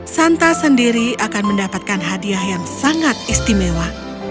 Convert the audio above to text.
santa sendiri akan mendapatkan hadiah yang sangat istimewa